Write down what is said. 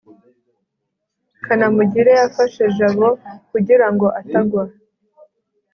kanamugire yafashe jabo kugira ngo atagwa